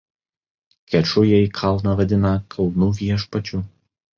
Kečujai kalną vadina „kalnų viešpačiu“.